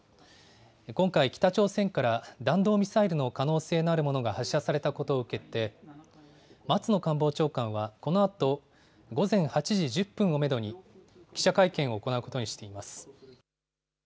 今回、北朝鮮から弾道ミサイルの可能性があるものが発射されたことを受けて、松野官房長官はこのあと午前８時１０分をメドに、記者会見を行うことにしています。